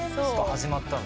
始まったの。